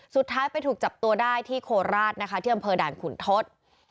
สุดท้ายไปถูกจับตัวได้ที่โคราชนะคะที่อำเภอด่านขุนทศ